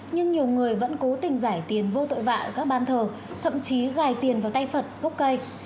nhưng nhiều người vẫn cố tình giải tiền vô tội vạ ở các ban thờ thậm chí gài tiền vào tay phật gốc cây